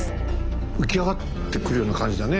浮き上がってくるような感じだね